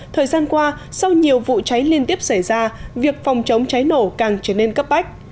thời gian qua sau nhiều vụ cháy liên tiếp xảy ra việc phòng chống cháy nổ càng trở nên cấp bách